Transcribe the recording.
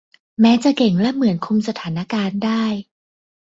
แม้จะเก่งและเหมือนคุมสถานการณ์ได้